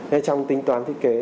nên trong tính toán thiết kế